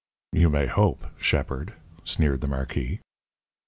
"You may hope, shepherd," sneered the marquis.